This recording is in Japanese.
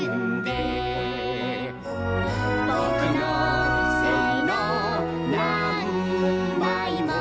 「ぼくのせいのなんばいも」